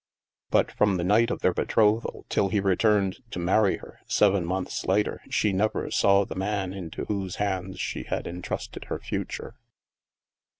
But from the night of their betrothal till he returned to marry her, seven months later, she never saw the man into whose hands she had entrusted her future.